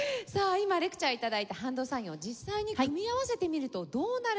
今レクチャー頂いたハンドサインを実際に組み合わせてみるとどうなるのか。